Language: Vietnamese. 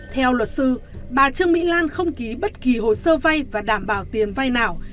theo luật sư bà trương mỹ lan không ký bất kỳ hồ sơ vay và đảm bảo tiền vay nào